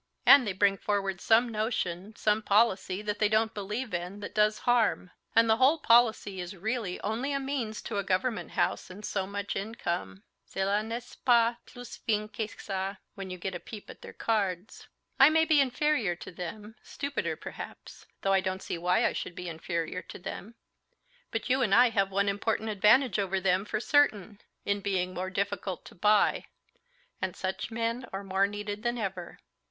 And they bring forward some notion, some policy that they don't believe in, that does harm; and the whole policy is really only a means to a government house and so much income. Cela n'est pas plus fin que ça, when you get a peep at their cards. I may be inferior to them, stupider perhaps, though I don't see why I should be inferior to them. But you and I have one important advantage over them for certain, in being more difficult to buy. And such men are more needed than ever."